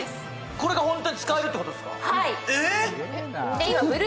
これがホントに使えるってことですか！？